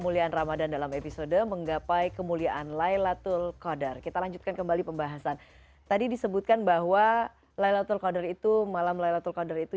laylatul qadar itu malam laylatul qadar itu